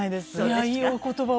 いやいいお言葉を。